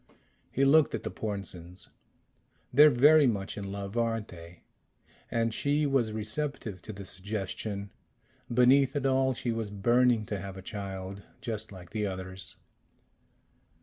He looked at the Pornsens. "They're very much in love, aren't they? And she was receptive to the suggestion beneath it all, she was burning to have a child, just like the others."